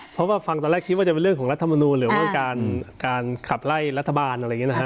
เพราะว่าฟังตอนแรกคิดว่าจะเป็นเรื่องของรัฐมนูลหรือว่าการขับไล่รัฐบาลอะไรอย่างนี้นะฮะ